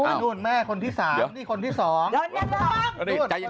นู่นแม่คนที่สามนี่คนที่สอง